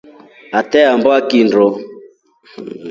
Atemba kindo.